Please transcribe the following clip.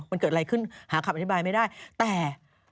มันเกิดอะไรขึ้นหาคำอธิบายไม่ได้แต่